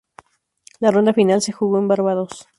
La ronda final se jugó en Barbados.